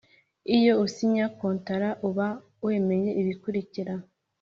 Iyo usinya kontaro uba wemeye ibikurikira